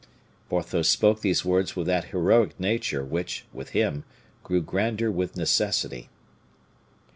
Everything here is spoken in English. Porthos spoke these words with that heroic nature which, with him, grew grander with necessity.